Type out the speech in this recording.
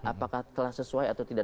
apakah telah sesuai atau tidak